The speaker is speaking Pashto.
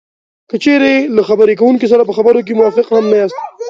که چېرې له خبرې کوونکي سره په خبرو کې موافق هم نه یاستی